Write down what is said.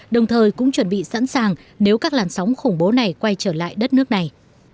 đồng thời cũng chuẩn bị sẵn sàng nếu các làn sóng khủng bố này quay trở lại đất nước này